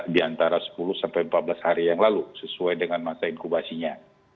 di antara sepuluh sampai empat belas hari yang lalu sesuai dengan masa inkubasinya